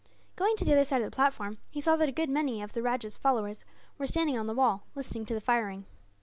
Going to the other side of the platform, he saw that a good many of the rajah's followers were standing on the wall, listening to the firing.